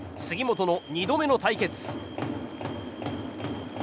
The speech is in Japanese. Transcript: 杉本の２度目の対決。